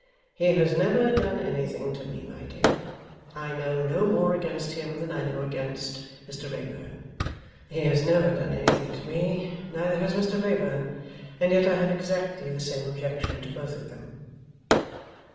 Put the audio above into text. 'He has never done anything to me, my dear. I know no more against him than I know against Mr Wrayburn; he has never done anything to me; neither has Mr Wrayburn. And yet I have exactly the same objection to both of them.